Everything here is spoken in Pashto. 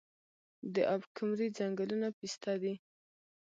د اب کمري ځنګلونه پسته دي